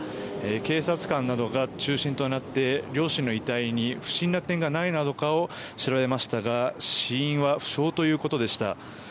警察官などが中心となって両親の遺体に不審な点などがないかを調べましたが死因は不詳ということでした。